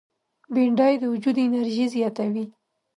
بېنډۍ د وجود انرژي زیاتوي